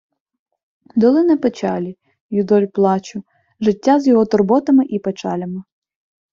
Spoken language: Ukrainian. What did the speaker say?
Долина печалі, юдоль плачу - життя з його турботами і печалями